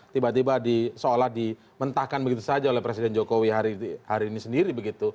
tiba tiba seolah dimentahkan begitu saja oleh presiden jokowi hari ini sendiri begitu